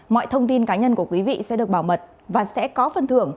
mọi thông tin cá nhân của quý vị sẽ được bảo mật và sẽ có phần thưởng